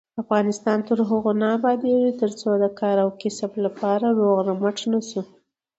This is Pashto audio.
افغانستان تر هغو نه ابادیږي، ترڅو د کار او کسب لپاره روغ رمټ نشو.